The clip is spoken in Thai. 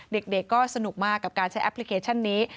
เด็กก็สนุกมากกับการใช้แอปพลิเคชันนี้